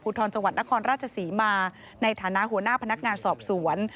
ทรจังหวัดนครราชศรีมาในฐานะหัวหน้าพนักงานสอบสวน